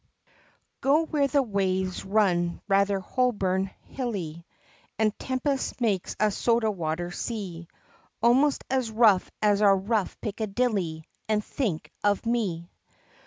Go where the waves run rather Holborn hilly, And tempest make a soda water sea, Almost as rough as our rough Piccadilly, And think of me!